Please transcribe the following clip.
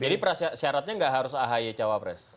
jadi syaratnya gak harus ahy cawapres